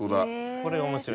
これが面白い。